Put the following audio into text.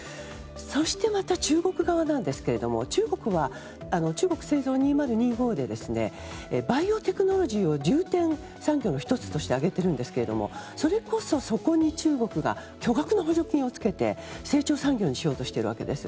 そして、また中国側ですが中国は中国製造２０２５でバイオテクノロジーを重点産業の１つとして挙げているんですけれどもそれこそ、そこに中国が巨額の補助金をつけて成長産業にしようとしているわけです。